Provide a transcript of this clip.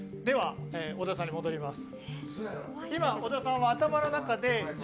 小田さんに戻ります。